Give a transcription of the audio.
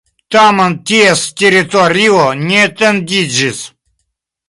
Tamen ties teritorio ne etendiĝis.